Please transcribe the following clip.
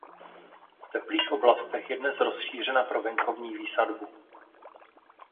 V teplých oblastech je dnes rozšířena pro venkovní výsadbu.